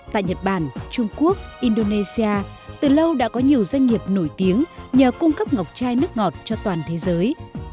tại nhật bản trung quốc indonesia từ lâu đã có nhiều doanh nghiệp nổi tiếng nhờ cung cấp ngọc chai nước ngọt cho toàn thế giới